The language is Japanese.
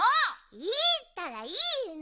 いいったらいいの！